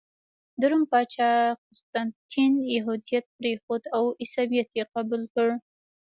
د روم پاچا قسطنطین یهودیت پرېښود او عیسویت یې قبول کړ.